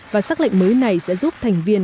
và xác lệnh mới này sẽ giúp thành viên